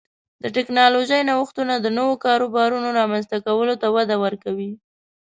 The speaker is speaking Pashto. د ټکنالوژۍ نوښتونه د نوو کاروبارونو رامنځته کولو ته وده ورکوي.